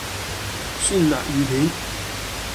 酸辣魚片